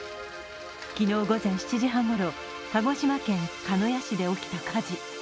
昨日午前７時半ごろ、鹿児島県鹿屋市で起きた火事。